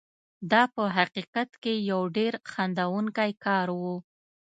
دا په حقیقت کې یو ډېر خندوونکی کار و.